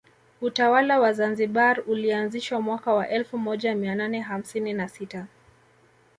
Utawala wa Zanzibar ulianzishwa mwaka wa elfu moja mia nane hamsini na sita